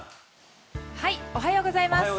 おはようございます。